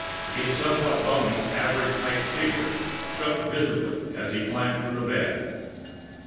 His somewhat bony, average height figure shook visibly as he climbed from the bed.